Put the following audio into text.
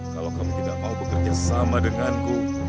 kalau kamu tidak mau bekerja sama denganku